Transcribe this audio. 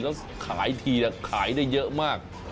แล้วขายทีขายได้เยอะมาก